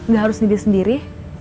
gak harus diri sendiri